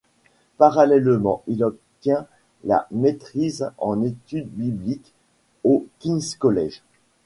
Parallèlement, il obtient la Maîtrise en études bibliques au King's College.